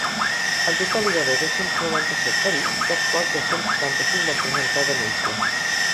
En total hi va haver dos-cents noranta-set ferits, dels quals dos-cents setanta-cinc van presentar denúncia.